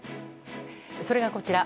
それが、こちら。